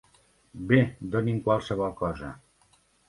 Bé, doni'm qualsevol cosa.